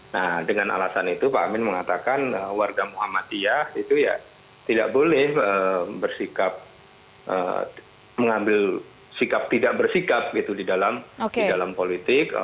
nah dengan alasan itu pak amin mengatakan warga muhammadiyah itu ya tidak boleh bersikap mengambil sikap tidak bersikap gitu di dalam politik